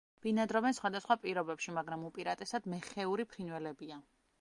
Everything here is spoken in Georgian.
ბინადრობენ სხვადასხვა პირობებში, მაგრამ უპირატესად მეხეური ფრინველებია.